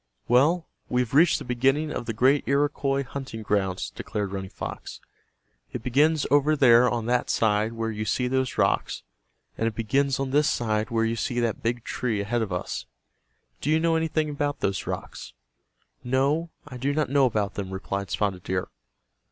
"Well, we have reached the beginning of the great Iroquois hunting grounds," declared Running Fox. "It begins over there on that side where you see those rocks, and it begins on this side where you see that big tree ahead of us. Do you know anything about those rocks?" "No, I do not know about them," replied Spotted Deer.